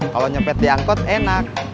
kalo nyopet diangkut enak